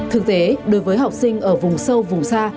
thực tế đối với học sinh ở vùng sâu vùng xa